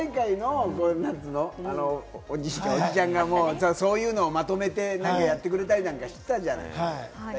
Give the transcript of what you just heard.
昔は町内会のおじちゃんがそういうのをまとめて、やってくれたりしてたじゃない？